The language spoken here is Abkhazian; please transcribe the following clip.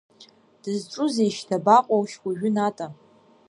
Дызҿузеишь, дабаҟоушь уажәы Ната?